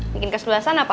bikin keseluruhan apa